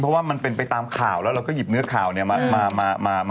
เพราะมันไปตามข่าวเราก็หยิบเนื้อข่าวมาพูด